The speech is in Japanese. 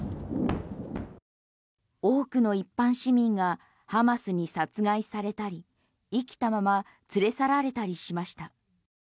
多くの一般市民がハマスに殺害されたり行きたまま連れ去られたりしました。